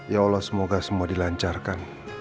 ya allah semoga semua dilancarkan